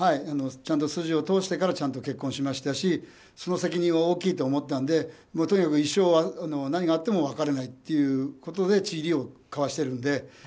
ちゃんと筋を通してから結婚しましたしその責任は大きいと思ったのでとにかく一生何があっても別れないということで契りを交わしてるので。